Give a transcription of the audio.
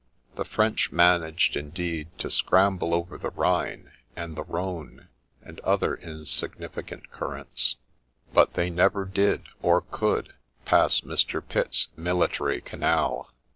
The French managed, indeed, to scramble over the Rhine, and the Rhone, and other insignificant currents ; but they never did, or could, pass Mr. Pitt's ' Military Canal.'